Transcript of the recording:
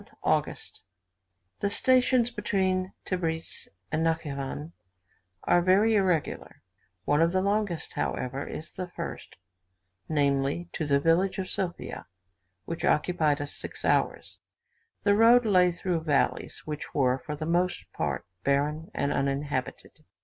11th August. The stations between Tebris and Natschivan are very irregular; one of the longest, however, is the first namely, to the village of Sophia, which occupied us six hours. The road lay through valleys, which were, for the most part, barren and uninhabited.